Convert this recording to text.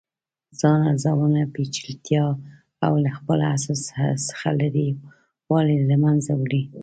ځان ارزونه پیچلتیا او له خپل اصل څخه لرې والې له منځه وړي.